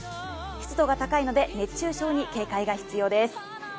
湿度が高いので熱中症に警戒が必要です。